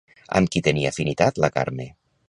Amb qui tenia afinitat la Carme?